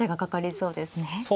そうですね。